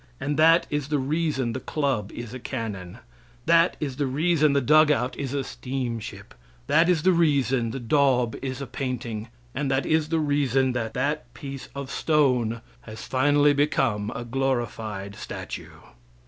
And that is the reason the club is a cannon; that the reason the dugout is a steamship; that the reason the daub is a painting, and that is the reason that that piece of stone has finally become a glorified statue.